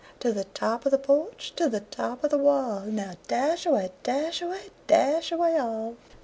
To the top of the porch, to the top of the wall! Now, dash away, dash away, dash away all!"